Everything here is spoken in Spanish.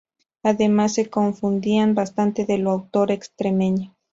Además se confundía bastante lo de autor extremeño.